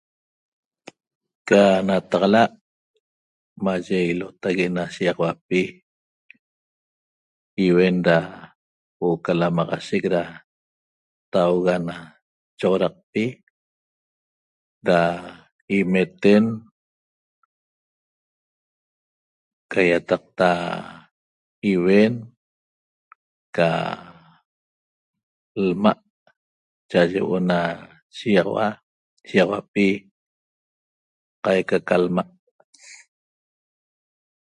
Ca nataxala' maye ilotague' na shiýaxauapi iuen da huo'o ca lamaxashec da tauga na choxodaqpi da imeten ca ýataqta iuen ca lma' cha'aye huo'o na shiýaxaua shiýaxauapi qaica ca lma'